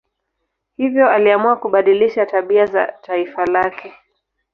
Hivyo aliamua kubadilisha tabia za taifa lake.